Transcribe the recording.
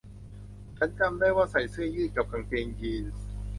ฉันจำได้ว่าใส่เสื้อยืดกับกางเกงยีนส์